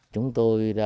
chúng tôi đã